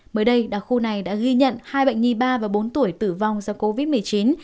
mới đây đặc khu này đã ghi nhận hai bệnh nhi ba và bốn tuổi tử vong do covid một mươi chín